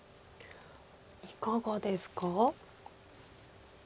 いかがですか？